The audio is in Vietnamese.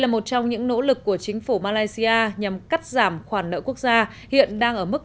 là một trong những nỗ lực của chính phủ malaysia nhằm cắt giảm khoản nợ quốc gia hiện đang ở mức